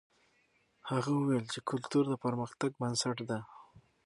هغه وویل چې کلتور د پرمختګ بنسټ دی.